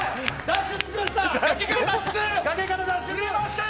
脱出しました。